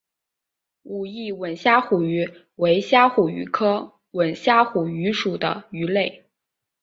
武义吻虾虎鱼为虾虎鱼科吻虾虎鱼属的鱼类。